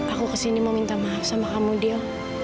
aku kesini mau minta maaf sama kamu dia